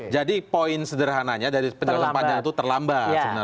jadi poin sederhananya dari penjelasan panjang itu terlambat sebenarnya